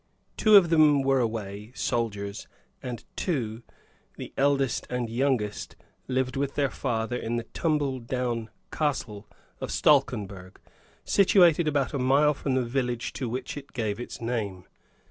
Two of them were away soldiers; and two, the eldest and the youngest, lived with their father in the tumble down castle of Stalkenberg, situated about a mile from the village to which it gave its name.